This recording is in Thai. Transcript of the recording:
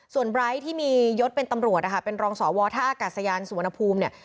ส่วนไร้ที่มียศเป็นตำรวจนะคะเป็นรองสวท่าอากาศยานสุวรรณภูมิเนี่ย